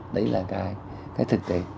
đấy là cái thực tế